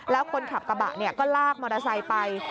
แล้วคนขับกระบะก็ลากมอเตอร์ไซค์ไป